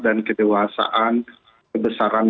dan kedewasaan kebesaran